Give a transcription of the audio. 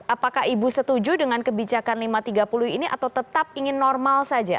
apakah ibu setuju dengan kebijakan lima ratus tiga puluh ini atau tetap ingin normal saja